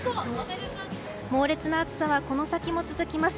猛烈な暑さはこの先も続きます。